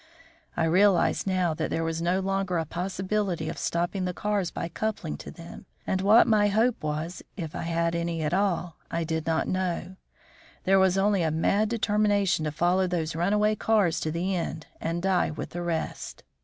I realised now that there was no longer a possibility of stopping the cars by coupling to them, and what my hope was, if I had any at all, I do not know; there was only a mad determination to follow those runaway cars to the end and die with the rest.